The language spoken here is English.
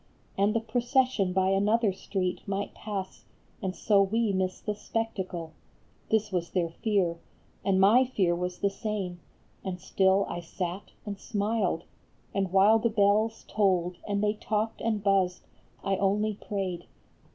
And the procession by another street Might pass, and so we miss the spectacle, This was their fear, and my fear was the same ; And still I sat and smiled, and while the bells Tolled, and they talked and buzzed, I only prayed.